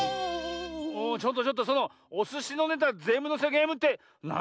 ちょっとちょっとそのおすしのネタぜんぶのせゲームってなんだいそれ？